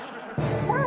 ・さあ